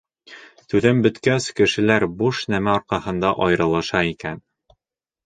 Түҙем бөткәс, кешеләр буш нәмә арҡаһында айырылыша икән.